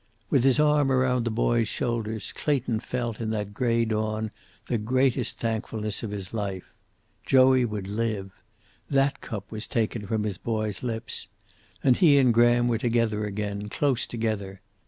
With his arm around the boy's shoulders, Clayton felt in that gray dawn the greatest thankfulness of his life. Joey would live. That cup was taken from his boy's lips. And he and Graham were together again, close together.